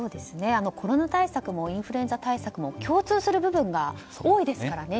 コロナ対策もインフルエンザ対策も共通する部分が多いですからね。